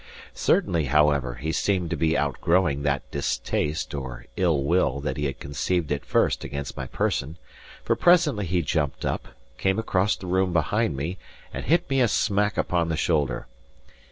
Certainly, however, he seemed to be outgrowing that distaste, or ill will, that he had conceived at first against my person; for presently he jumped up, came across the room behind me, and hit me a smack upon the shoulder.